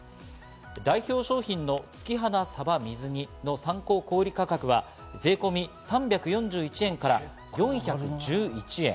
代表商品の「月花さば水煮」の参考小売価格は税込み３４１円から４１１円。